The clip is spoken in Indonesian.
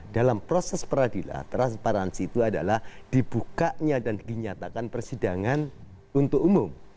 dalam proses peradilan transparansi itu adalah dibukanya dan dinyatakan persidangan untuk umum